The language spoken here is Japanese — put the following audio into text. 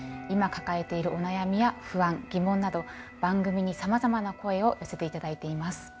今抱えているお悩みや不安疑問など番組にさまざまな声を寄せて頂いています。